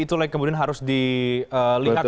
itu kemudian harus dilihat